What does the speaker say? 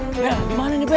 bel dimana ini bel